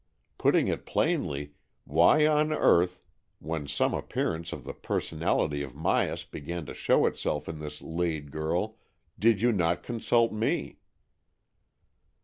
Putting it plainly, why on earth, when some appearance of the per sonality of Myas began to show itself in this Lade girl, did you not consult me?"